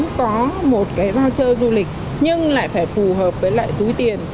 có một cái voucher du lịch nhưng lại phải phù hợp với lại túi tiền